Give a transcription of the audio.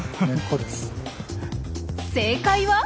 正解は？